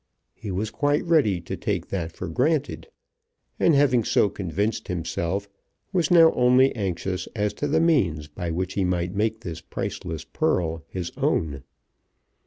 He was quite ready to take that for granted; and having so convinced himself, was now only anxious as to the means by which he might make this priceless pearl his own.